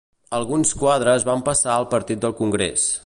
Alguns quadres van passar al Partit del Congrés.